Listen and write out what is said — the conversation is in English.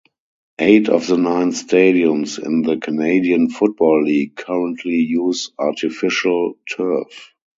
Eight of the nine stadiums in the Canadian Football League currently use artificial turf.